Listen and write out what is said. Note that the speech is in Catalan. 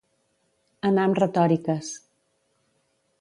Anar amb retòriques.